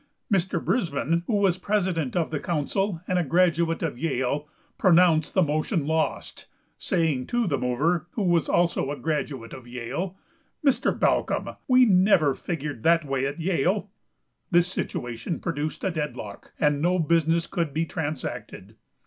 Mr. Brisbin, who was president of the council and a graduate of Yale, pronounced the motion lost, saying to the mover, who was also a graduate of Yale, "Mr. Balcombe, we never figured that way at Yale." This situation produced a deadlock, and no business could be transacted.